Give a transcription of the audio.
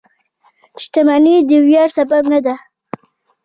• شتمني د ویاړ سبب نه ده.